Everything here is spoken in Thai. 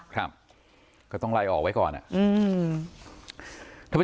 ครับก็ต้องไล่ออกไว้ก่อนอ่ะอืม